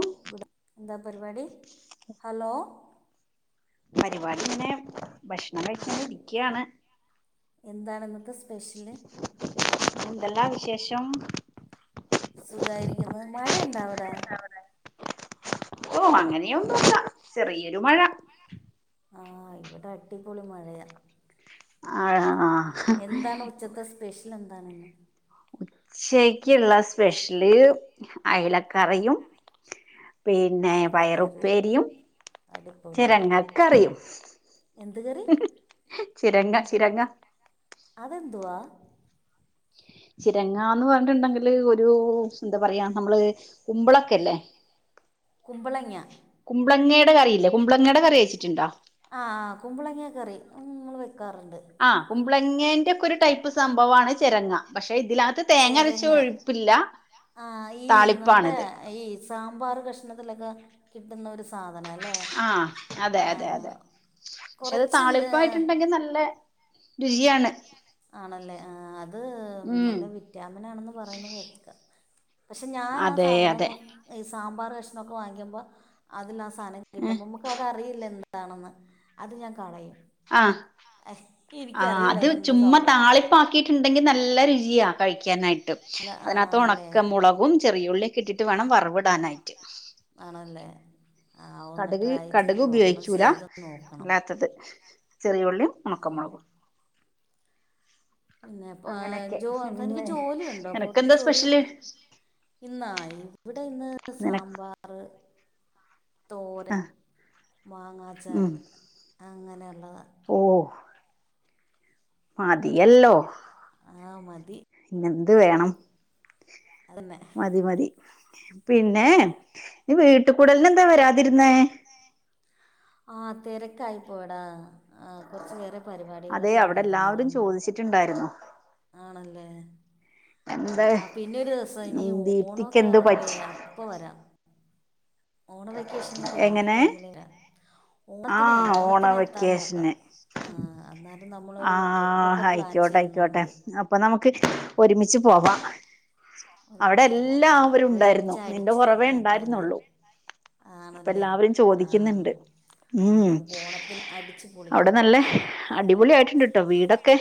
hello ഗുഡാ എന്താ പരിപാടി ഹലോ പരിപാടി ഇങ്ങനെ ഭക്ഷണം കഴിച്ചിങ്ങനെ ഇരിക്കയാണ് എന്താണ് ഇന്നത്തെ സ്പെഷ്യല് എന്തെല്ലാം വിശേഷം സുഖായിരിക്കുന്നു മഴയുണ്ടാ അവിടെ ഓ അങ്ങനെയൊന്നുംല്ല ചെറിയൊരു മഴ ആ ഇവിടെ അടിപൊളി മഴയാ ആ എന്താണ് ഉച്ചത്തെ സ്പെഷ്യൽ എന്താണിന്ന് ഉച്ചയ്ക്കുള്ള സ്പെഷ്യല് അയലക്കറിയും പിന്നെ അലക്കറി പയറുപ്പേരിയും അടിപൊളി ചിരങ്ങ കറിയും എന്ത് കറി ചിരങ്ങ ചിരങ്ങ അതെന്തുവാ ചിരങ്ങാന്ന് പറഞ്ഞിട്ടുണ്ടെങ്കില് ഒരു എന്താ പറയാ നമ്മള് കുമ്പളൊക്കെ ഇല്ലേ കുമ്പളങ്ങ കുമ്പളെങ്ങേടെ കറിയില്ലേ കുമ്പളെങ്ങേടെ കറി കഴിച്ചിട്ടുണ്ടോ ആ ആ കുമ്പളങ്ങ കറി വക്കാറുണ്ട് കുമ്പളെങ്ങേന്റെ ഒക്കെ ഒരു ടൈപ്പ് സംഭവമാണ് ചിരങ്ങ പക്ഷെ ഇതിലത്ത് തേങ്ങ അരച്ച് ചേരങ്ങ ഒഴിപ്പില്ല ആ ഈ നമ്മുടെ ഈ സാമ്പാർ കഷ്ണത്തിലൊക്കെ കിട്ടുന്ന ഒരു സാധനം അല്ലേ ആ അതെ ആ അതെ അതെ പക്ഷെ അത് കുറച്ച് ഏ, താളിപ്പായിട്ടുണ്ടെങ്കി നല്ല രുചിയാണ് ആണല്ലേ ആ അത് ഉം നല്ല വിറ്റാമിനാണെന്ന് പറയുന്നത് കേൾകാം പക്ഷെ ഞാൻ ആ അതെ സാധനം അതെ ഈ സാമ്പാർ കഷ്ണമൊക്കെ വാങ്ങിക്കുമ്പോ അതിൽ ആ സാധനം ഏഹ് കിട്ടുമ്പോൾ നമുക്ക് അതറിയില്ലല്ലോ എന്താണെന്ന് അത് ഞാൻ കളയും ഇരി ആ അത് ചുമ്മാ താളിപ്പാക്കിയിട്ടുണ്ടെങ്കിൽ നല്ല രുചിയാ കഴിക്കാനായിട്ട് അല്ല, അതിനകത്ത് ആണല്ലേ ഒണക്കമുളകും ചെറിയുള്ളിയൊക്കെ ഇട്ടിട്ട് വേണം വറവിടാനായിട്ട് ആണല്ലേ ആ ഒന്ന് കടുക് ട്രൈ ചെയ്ത് കടുക് നോക്കണം ഉപയോഗിക്കൂല ചെയ്ത് നോക്കണം അല്ലാത്തത് ചെറിയ ഉള്ളിയും ഒണക്കമുളകും പിന്നെപ്പ ജോ തനിക്ക് ഇന്ന് ജോലിയുണ്ടോ പൊറത്ത് നിനക്കെന്താ ജോലി സ്പെഷ്യല് ഇന്നാ ഇവിടെ ഇന്ന് നിന സാമ്പാർ തോരൻ ആഹ് മാങ്ങാച്ചാറ് അങ്ങനെ ഓ മതിയല്ലോ ആ മതി പിന്നെന്ത് വേണം അതന്നെ മതി മതി പിന്നെ വീട്ട് കൂടലിന് എന്താ വരാതിരുന്നേ ആ തെരക്കായി പോയടാ ആ കൊറച്ച് വേറെ അതെ പരിപാടികളൊക്കെ അവിടെ ഇണ്ടായിരുന്നു എല്ലാവരും അതുകൊണ്ട് ചോദിച്ചിട്ടുണ്ടായിരുന്നു ആണല്ലേ എന്താ ആ പിന്നെ ഒരു ദിവസം ഇനി ഉം ദീപ്തിക്ക് ഓണോക്കെ എന്ത് ആവൂലേ പറ്റി അപ്പ വരാം ഓണ വെക്കേഷന് ഒക്കെ ഇല്ലേ ആ എങ്ങനെ ടൈമിൽ വെരാം ഓണത്തിനെ ആഹ് ഓണ ഓണത്തിന് എത്താം നോക്കാം ആ ആ നമ്മളൊരു ട്രിപ്പൊക്കെ പ്ലാൻ ആയിക്കോട്ടെ ആയിക്കോട്ടെ ചെയ്യുന്നുണ്ട് അപ്പൊ നമുക്ക് ഒരുമിച്ച് പോവാം അവിടെ ഒരുമിച്ച് പോവാം എല്ലാവരും ഉണ്ടായിരുന്നു ഒരുമിച്ച് നിന്റെ അടിച്ച് കുറവേ അതന്നെ ഉണ്ടായിരുന്നുള്ളു അപ്പൊ ആണല്ലേ എല്ലാവരും ആ ചോദിക്കുന്നുണ്ട് ആ ഉം നമുക്ക് ഓണത്തിന് അടിച്ച് അവിടെ പൊളിക്കണം നല്ല അടിപ പൊളി ആയിട്ടിണ്ട്ട്ടോ വീടൊക്കെ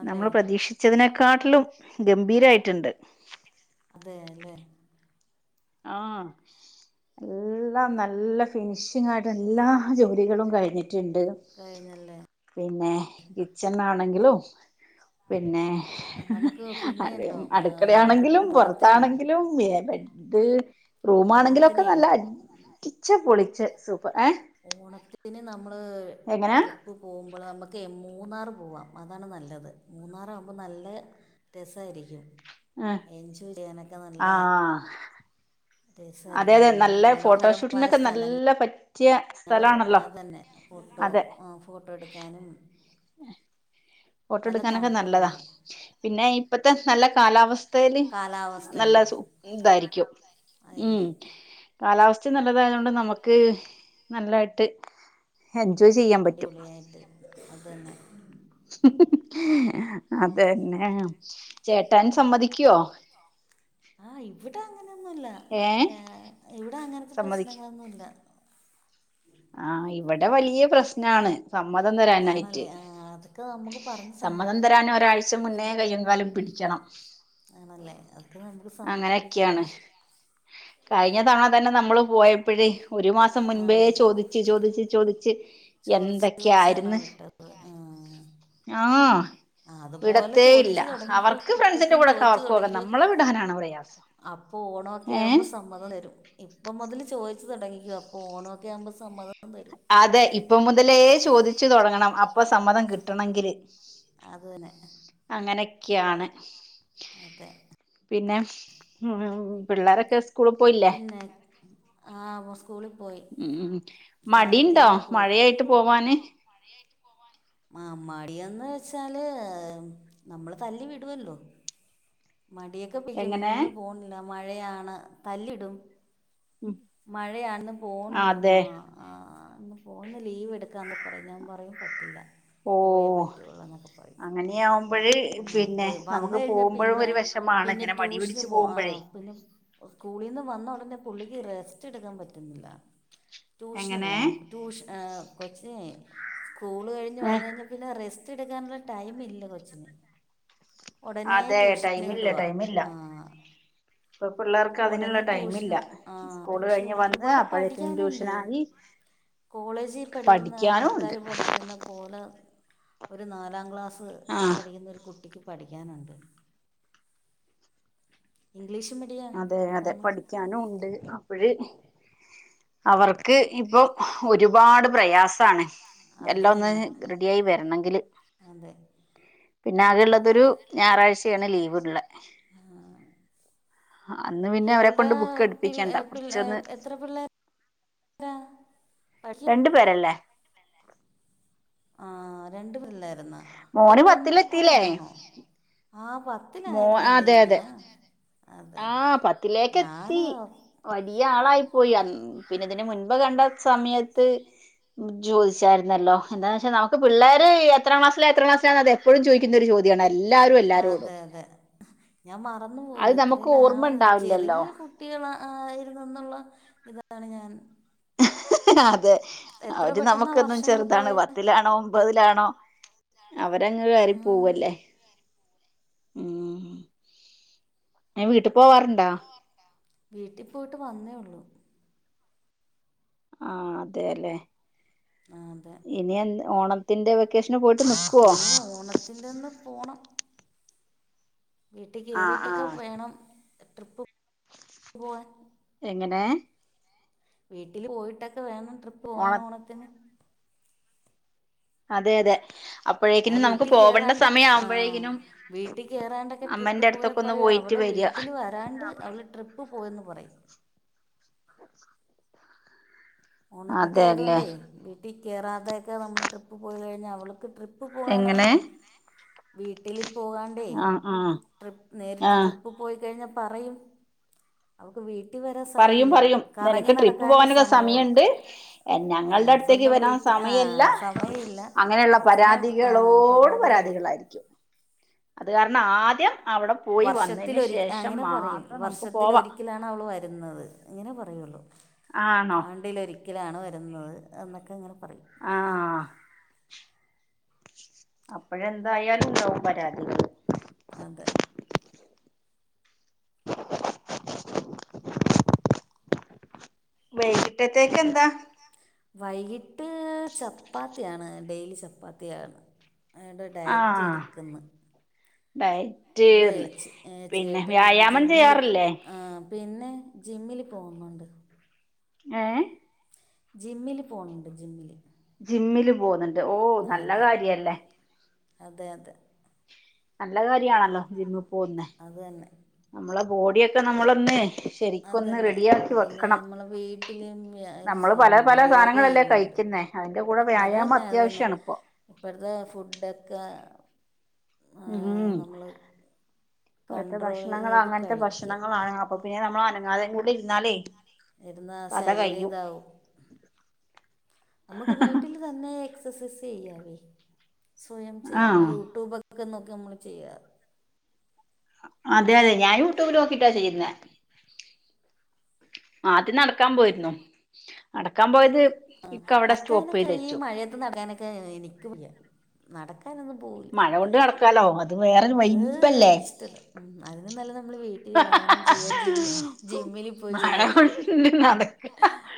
ആണല്ലേ നമ്മള് പ്രതീക്ഷിച്ചതിനെക്കാട്ടിലും ഗംഭീരായിട്ടുണ്ട് അതേ അല്ലേ ആഹ എല്ലാം നല്ല ഫിനിഷിംഗ ആയിട്ട് എല്ലാ ജോലികളും കഴിഞ്ഞി ട്ടിണ്ട് കഴിഞ്ഞല്ലേ പിന്നെ കിച്ചൺ ആണെങ്കിലും പിന്നെ ആ നമുക്ക് അത പിന്നെയല്ലോ അടുക്കള യാണെങ്കിലും ട്രിപ്പ് ഓണത്തിന് പുറത്താണെങ്കിലും ഇത് റൂമാണെങ്കിലൊക്കെ ഓണത്തിനെ നല്ല അടിച്ച പൊളിച്ച സൂപ്പർ ഏ ഓണത്തിന് നമ്മള് എങ്ങനാ ട്രിപ്പ് പോകുമ്പോൾ നമ്മക്ക് ഓക്കെ മൂന്നാർ പോവാം അതാണ് നല്ലത് മൂന്നാറ ആകുമ്പോൾ നല്ല രസമായിരിക്കും ആഹ് എഞ്ചൂരയാനൊക്കെ നല്ല ആഹ് അതെ അതെ നല്ല ഫോട്ടോഷൂട്ടിനൊക്കെ നല്ല പ നിങ്ങളും ആതന്നെ ഫോട്ടോ ഫോട്ടോ എടുക്കാനും ഫോട്ട നല്ല എടുക്കാനൊക്കെ നല്ലതാ തണുപ്പല്ലേ പിന്നെ ഇപ്പത്തെ നല്ല കാലാവസ്ഥയില് നല്ല കാലാവസ്ഥയാണ് സ ഇതായിരിക്കും ഉം ആയിരിക്കും കാലാവസ്ഥ നല്ലതായത കൊണ്ട് നമുക്ക് നല്ലായിട്ട് എൻജോയ് ചെയ്യാൻ പറ്റും അടിപൊളിയായിട്ട് അത് തന്നെ അതന്നെ ചേട്ടാൻ സമ്മതിക്കുവോ ആഹ് ഇവിടെ അങ്ങനൊന്നുല്ല ഏ ഇവിടെ അങ്ങനത്തെ പ്രശ്നങ്ങളൊന്നുമല്ല ആഹ ഇവിടെ വലിയ പ്രശ്നാണ് സമ്മതം തരാനായിട്ട് ആണല്ലേ ആ അതൊക്കെ നമുക്ക് പറഞ്ഞ് സമ്മതം സമ്മതിപ്പിക്കാം തരാൻ ഒരാഴ്ച മുന്നേ കയ്യങ്കാലം പിടിക്കണം ആണല്ലേ അതൊക്കെ നമുക്ക് സമ്മതിപ്പിക്കാം അങ്ങനെയൊക്കെയാണ് കഴിഞ്ഞ തവണ തന്നെ നമ്മള് പോയപ്പോഴേ ഒരു മാസം ആ മുൻപേ ചോദ ചോ ചോദിച്ച ചോദിച്ചച്ച് ചോദിച്ച് ചോദിച്ചാണോ എന്തൊക്കെയായിരുന്നു വിട്ടത് ആ ആ ആ അതുപോലെ വിടത്തേ ഇല്ല ചോദിച്ചു തുടങ്ങിക്കോ അവർക്ക് ഇപ്പ ഫ്രണ്ട്സിന്റെ തന്നെ കൂടെയൊക്കെ ചോദിച്ചു അവർക്കുംൊക്കെ തുടങ്ങിക്കോ നമ്മളെ വിടാനാണ് പ്രയാസം അപ്പൊ ഓണമൊക്കെ ഏഹ് ആകുമ്പോ സമ്മതം തരും ഇപ്പം മുതൽ ചോദ തുടങ്ങിക്കോ അപ്പോ ഓക്ക ഒക്കെ ആകുമ്പോ സമ്മതം തരും അതെ ഇപ്പൊ മുതലേ ചോദിച്ചു തുടങ്ങണം അപ്പൊ സമ്മതം കിട്ടണമെങ്കില് അതന്നെ അങ്ങനെയൊക്കെയാണ് അതേ പിന്നെ ഉ പിള്ളേരൊക്കെ സ്കൂളിൽ പോയില്ലേ പിന്നെ ആ സ്കൂള ഉം മടിണ്ടോ പോയി മഴയായിട്ട് പോവാന് മാമ്മടിയന്ന് വെച്ചാല് നമ്മള് തല്ലി വിടുല്ലോ മടിയൊക്കെ പെയിക്കും എങ്ങനെ ഇന്ന് പോണില്ല മഴയാണ് തല്ലിടും മഴയയാണെന്ന് പോണില്ലമ്മ അതെ ആ അന്ന് പോന്ന് ലീവ് എടുക്കാന്ന് ഞാൻ പറയും പ ഓ പറയും അങ്ങനെയാകുമ്പോഴ അങ്ങനെ പിന്നെ പോയി വന്ന് നമുക്ക് കഴിഞ്ഞാൽ പോകുമ്പോഴും പിന്നെ ഒരു വിശമം പിന്നെ ട്യൂഷന് പോകൂ ആ പുള്ളീന്ന് വന്ന ഉടനെ പുള്ളിക്ക് റെസ്റ്റ് എടുക്കാൻ പറ്റുന്നില്ല ട്യൂഷന് എങ്ങനെ പോകണം ട്യൂഷ കൊച്ച സ്കൂള് കഴിഞ്ഞ് വന്ന കഴിഞ്ഞാ പിന്നെ റെസ്റ്റ് എടുക്കാനുള്ള ടൈം ഇല്ല കൊച്ചിന് ഉടനെ ട്യൂഷ ടൈമല്ല ടൈമല്ല ഇപ്പൊ പിള്ളേർക്ക് അതിനുള്ള ഉടനെ ടൈമ ഇല്ല ട്യൂഷന് ആ സ്കൂള് ട്യൂഷന് കഴിഞ്ഞ് വിടും വന്ന് ഒരുപാട് അപ്പോഴേക്കും പഠിക്കാനുണ്ട് ട്യൂഷനായി കോളേജിൽ പഠിക്കുന്ന പഠിക്കാനും ഉണ്ട് ആള്ക്കാര് പഠിക്കുന്ന പോലെ ഒരു നാലാം ക്ലാസ്സ് ആ പഠിക്കുന്ന ഒരു കുട്ടിക്ക് പഠിക്കാനുണ്ട് ഇംഗ്ലീഷ് മീഡിയം അതെ അതെ അതാണ് പഠിക്കാനും ഉണ്ട് അപ്പോഴ അവർക്ക് ക്ക് ഇപ്പൊ ഒരുപാട് പ്രയാസമാണ് അത് എല്ലാം ഒന്ന് തന്നെ റെഡിയായി വരണമെങ്കില് അതെ പിന്നെ ആകെയ ഉള്ളതൊരു ഞായറാഴ്ചയാണ് ലീവ്ള്ള അന്ന് പിന്നെ അവരെ ഇയാളുടെ കൊണ്ട് ബുക്ക് പിള്ളേ എടുപ്പിക്കണ്ട പിള്ളേ കുറച്ചന്ന് എത്ര പിള്ളേരാ [unintelligible] രണ്ടു പേരല്ലേ ആ രണ്ടു പിള്ളേരെന്നോ ഒരു മോന് പെണ്ണും പത്തിലെത്തില്ലേ ഒരാണോ ആ മോ പത്തിലായിരുന്നല്ലേ അതെ ഞാ അതെ ആ പത്തിലേക്കെത്തി വലിയ ആളായി പോയി പിന്നെ ഇതിന് മുൻപ് കണ്ട സമയത്ത് ഇജ്ജ് ചോദിച്ചായിരുന്നല്ലോ എന്താന്ന് വെച്ചാൽ നമുക്ക് പിള്ളേർ എത്ര ക്ലാസില എത്ര ക്ലാസില എപ്പോഴും ചോദിക്കുന്ന ഒരു ചോദാണ്ണത് അതെ അതെ ഞാൻ മറന്നു പോയി അത് നമുക്ക് എത്രല്ല ഓർമ്മ ഉണ്ടാവില്ലല്ലോ ചെറിയ കുട്ടികൾ ആയിരുന്നു എന്നുള്ള ഇതാണ് ഞാൻ അതെ എത്ര അവര് പെട്ടെന്നാ നമുക്കൊന്നും വർഷങ്ങൾ ചെറുതാണ് പോയെ പത്തിലാണോ ഒമ്പതിലാണോ അവരങ്ങങ് കയറി ആഹ് പോവല്ലേ ഉ ഞാൻ വീട്ടിൽ പോവാറുണ്ടോ വീട്ടില് പോയിട്ട് വന്നേള്ളു ആ അതെല്ലെ ആഹ് അതെ ഇനി ഓണത്തിന്റെ വെക്കേഷൻ അയിന ഓണത്തിന്റെ ഒന്ന് പോണം വീട്ടിൽ ആഹ് കയറിയിട്ടൊക്കെ ആഹ് വേണം ട്രിപ്പ് പോവാൻ എങ്ങനെ വീട്ടില് പോയിട്ടൊക്കെ വേണം ട്രിപ്പ് ഓണ പോകൻ ഓണത്തിന് അതെ അതെ അത അപ്പോഴേക്കിനും നമുക്ക് വീട്ടിൽ പോവണ്ട കയറാണ്ട് സമയം ആ ആവുമ്പോഴേക്കിനും വീട്ടിൽ കയറാണ്ടൊക്കെ ട്രിപ്പ് അമ്മന്റെ പോയ അടുത്തൊക്കെ ഒന്ന് പറയാ പോയിട്ട് അവള് വരിക വീട്ടിൽ വരാണ്ട് അവള് ട്രിപ്പ് പോയെന്ന് പറയും ണൊക്കെ അതെല്ലേ ആയതുകൊണ്ടേ വീട്ടീ കേറാതൊക്കെ നമ്മള് ട്രിപ്പ് പോയി കഴിഞ്ഞ അവള്ക്ക് ട്രിപ്പ് പോകാനാണ് എങ്ങനെ വീട്ടിൽ പോകണ്ടേ ആഹ് ആഹ് ട്രിപ്പ് നേരിട്ട് ആഹ് ട്രിപ്പ് പോയിക്കഴിഞ്ഞാൽ പറയും അവക്ക് വീട്ടിൽ വരാ പറയും സമയല്ല പറയും നിനക്ക് കറങ്ങി ട്രിപ്പ് നടക്കാനേ പോകാനൊക്കെ സമയമുള്ളൂ സമയമുണ്ട് ആ ഞങ്ങളുടെ അടുത്തേക്ക് സ്വന്തം വരാൻ വീട്ടിൽ ആ സമയല്ല സമയമില്ല അങ്ങനെയുള്ള അച്ഛനെ പരാതികളോ ആ പരാതികള് അത് കാരണം ആദ്യം അവിടെ പോയി വന്നതിന് വർഷത്തിലൊ ശേഷം അങ്ങനെ പറയും മാത്രം നമുക്ക് വർഷത്തിൽ പോവാ ഒരിക്കലാണ് അവള് വരുന്നത് അങ്ങനെ പറയുള്ളൂ ആണോ ആണ്ടിലൊരിക്കലാണ് വരുന്നത് എന്നൊക്കെ ഇനെ ആഹ അപ്പഴ എന്തായാലും ഉണ്ടാവും പരാതി അതെ വൈകിട്ടത്തേക്ക് എന്താ വൈകിട്ട് ചപ്പാത്തിയാണ് ഡെയിലി ചപ്പാത്തിയാണ് അടെ ഡയറ്റ് ആഹ് എടുക്കുന്നു ഇവിടെ ഡയറ്റ്ന്ന് ചേ- ഏ, പിന്നെ ചേട്ടൻ വ്യായാമം ജിമ്മിൽ പ- ചെയ്യാറില്ലേ ആ, പിന്നെ ജിമ്മിൽ പോകുന്നുണ്ട് ഏ ജിമ്മില് പോണണ്ട് ജിമ്മില് ജിമ്മില് പോന്നുണ്ട് ഓ നല്ല അതെ കാര്യല്ലേ അതെ അതെ നല്ല കാര്യമാണല്ലോ ജിമ്മിൽ പോകുന്ന അത് തന്നെ നമ്മളെ ബോഡിയൊക്കെ നമ്മളൊന്ന് ശരിക്കൊന്ന് അതന്നെ റെഡിയാക്കി പിന്നെ വെക്കണം നമ്മള് വീട്ടിലും ഇത് ചെയ്യുന്നുണ്ട് യോഗ ചെയ്യുന്നുണ്ട് എ അതിന്റെ കൂടെ വ്യായാമം അത്യാവശ്യണ ഇപ്പൊ ഇപ്പഴത്തെ ഫുഡൊക്കെ ഉം നമ്മൾ ഇഴത്തെ കൺട്രോൾ ഭക്ഷണങ്ങ ചെയ്ത് അങ്ങനത്തെ കഴിക്കുക ഭക്ഷണങ്ങളാണ് അപ്പൊ പിന്നെ ന ആ അങ്ങാതെ കൂടെ ഇരുന്നാലേ ഇരുന്നാ കഥ ശരീരം കയ്യും ഇതാവും നമുക്ക് വീട്ടില് തന്നെ എക്സസൈസ് ചെയ്യാവേ സ്വയം ചെയ്യാം ആഹ് യൂട്യൂബൊക്കെക്കെ നോക്കി നമ്മള് ചെയ്യുക അതെ അതെ ഞാൻ യൂട്യൂബിൽ നോക്കിട്ടാ ചെയ്യുന്നേ ആദ്യം നടക്കാൻ പോയിരുന്നു നടക്കാൻ പോയത് ആ ഇക്ക അവിടെ സ്റ്റോപ്പ് ചെയ്ത് നടക്കാനൊക്കെഈ വെച്ചു മഴയത്ത് നടക്കാനൊക്കെ എനിക്ക് നടക്ക [unintelligible] പോവില്ല മഴ കൊണ്ട് നടക്കാലോ അത് വേറൊരു അഹ് വൈബല്ലേ ഇഷ്ടല്ല ഉം അതിന് നല്ല നമ്മള് വീ പോയി മഴ ചെയ്യുക കൊണ്ട്ണ് നടക്ക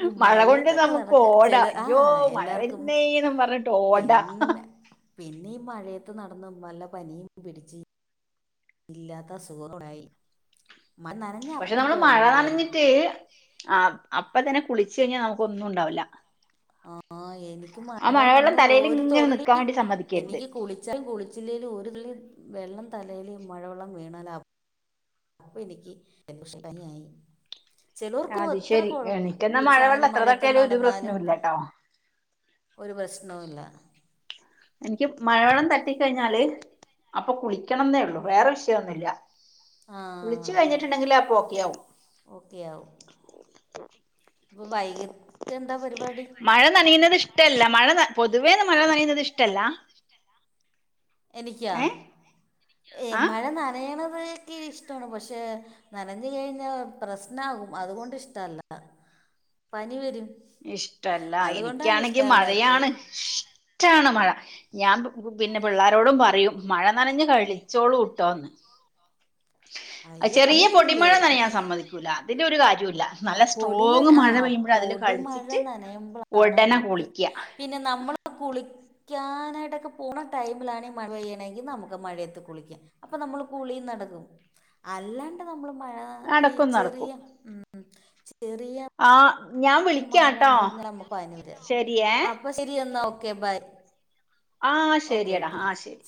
ഈ മഴ കൊണ്ട് [unintelligible] മഴയത്തൊക്കെ നമുകൊ നടക്ക ഓട ചില ആ അയ്യോ മഴ എല്ലാവർക്കും വരുന്നേന്നും പറഞ്ഞിട്ട് ഓട അ നടന്ന് നല്ല പനിയും പിടിച്ച് ഇല്ലാത്ത സുഖണ്ടായി പക്ഷെ നമ്മള് മഴ നനഞ്ഞിട്ട് ആ അപ്പ തന്നെ കുളിച്ചു കഴിഞ്ഞാൽ നമുക്ക് ഒന്നും ഉണ്ടാവില്ല ആഹ് എനിക്ക് ആ മഴ മഴവെള്ളം നന്ന്ു തലയിൽ ഒരു ഇങ്ങനെ തുള്ളി നിക്കാൻ വേണ്ടി സമ്മതിക്കരുത് എനിക്ക് കുളിച്ചാലും കുളിച്ചില്ലെും ഒരു തു വെള്ളം തലയില് മഴവെള്ളം വീണലാഭ അപ്പം എനിക് [unintelligible] ആയി അത് ശെരി എനിക്കെന്നാ മഴ വെള്ളം കുളിച്ചാലും എത്ര മഴയത്ത് തട്ടിയാലും ഒരു നടന്നാലും പ്രശ്നവും ഇല്ലട്ടോ ഒരു പ്രശ്നവല്ല എനിക്ക് മഴളം തട്ടിക്കഴിഞ്ഞാല് അപ്പൊ കുളിക്കണംെന്നേ ഉള്ളു വേറെ വിഷയമൊന്നുല്ല ആ കുളിച്ചു കഴിഞ്ഞിട്ടുണ്ടെങ്കിൽ അപ്പോ ക്കെ ആവും ഓക്കെ ആവും ഇപ്പം വൈകിട്ട് എന്താ പരിപാടി മഴ നനയുന്നത് ഇഷ്ടല്ല മഴ പൊതു വെ മഴ നഴയുന്നത് ഇഷ്ടല്ല എനിക്കാ ഏ ഏ ആ മഴ നനയണത് ക്ക ഇഷ്ടമാണ് പക്ഷെ നനഞ്ഞ കഴിഞ്ഞാ പ്രശ്നമാകും അതുകൊണ്ട് ഇഷ്ടല്ല പനി വരും ഇഷ്ടല്ല അതുകൊണ്ടാണ് എനിക്കാണെങ്കി ഇഷ്ടമല്ലാത്തത് മഴയാണ് റ്റാണ് മഴ ഞാൻ പിന്നെ പിള്ളാരോടും പറയും മഴ നനഞ്ഞഞ് കഴിച്ചോളൂ ട്ടോ അയ്യോ ചെറിയ പനി പൊടി മഴ വരില്ലേ തന്നെ ഞാൻ സമ്മതിക്കൂല അതിന്റെ ഒരു കാര്യം ല്ല ആ നല്ല സ്ട്രോങ്ങ് മഴ പെയ്യ് അതില് ക നനയ്പോളാണ് നമ്മക്ക് പിന്നെ നമ്മള് കുളി ക്ാനായിട്ടൊക്കെ പോകുന്ന ടൈമിലാണ ഈ മഴ പെയ്യണെങ്കിൽ നമുക്ക് മഴയത്ത് കുളിക്കാം അപ്പോൾ നമ്മൾ കുളി നട അല്ലാണ്ട് നമ്മ മഴ ഈ അടക്കം നടക്കും ചെറിയ ഉംഉം ചെറിയ ആ ഞാൻ വിളിക്കാട്ടോ മഴന്നഞ്ഞ നമ്മക്ക് പനി വരാ ശരിയേ അപ്പൊ ശരി എന്നാ ഓക്കേ ബൈ ആ ഓക്കെ ശരിയടാ ഓക്കെ ആ ശരി